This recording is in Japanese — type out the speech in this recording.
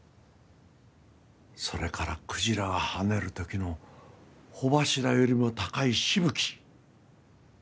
それからクジラが跳ねる時の帆柱よりも高いしぶき。